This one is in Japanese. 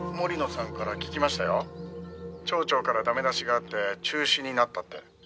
「町長から駄目出しがあって中止になったって」